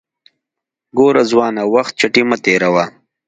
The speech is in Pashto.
ګوره ځوانه وخت چټي مه تیروه